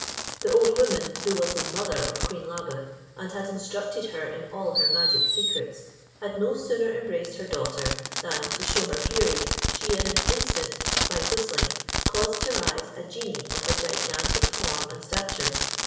The old woman, who was the mother of queen Labe, and had instructed her in all her magic secrets, had no sooner embraced her daughter, than to shew her fury, she in an instant by whistling, caused to rise a genie of a gigantic form and stature.